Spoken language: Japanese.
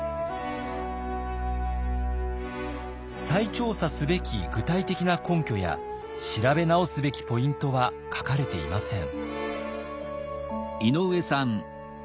再調査すべき具体的な根拠や調べ直すべきポイントは書かれていません。